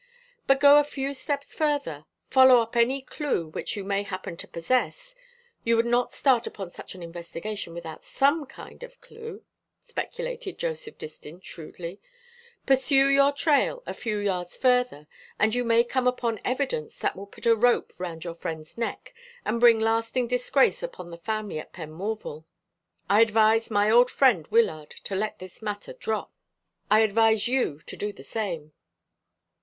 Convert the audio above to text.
But go a few steps further, follow up any clue which you may happen to possess you would not start upon such an investigation without some kind of clue," speculated Joseph Distin shrewdly "pursue your trail a few yards further, and you may come upon evidence that will put a rope round your friend's neck, and bring lasting disgrace upon the family at Penmorval. I advised my old friend Wyllard to let this matter drop. I advise you to do the same."